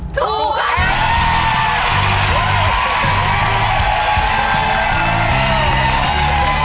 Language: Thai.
ถูกข้อนี้